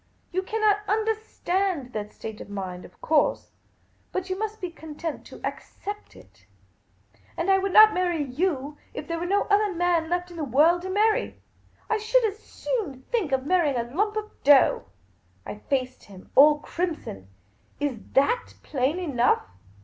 You cannot understand that state of mind, of course ; but you must be content to accept it. And I would not marry jjw< if there were no other man left in the world to marry. I should as soon think of marrying a lump of dough." I faced him all crimson. " Is that plain enough